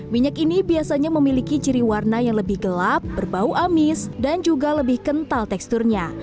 minyak ini biasanya memiliki ciri warna yang lebih gelap berbau amis dan juga lebih kental teksturnya